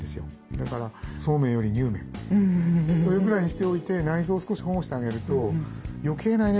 だからそうめんよりにゅうめんというぐらいにしておいて内臓を少し保護してあげると余計なエネルギー使いません。